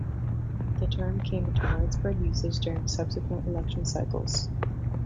The term came into widespread usage during subsequent election cycles.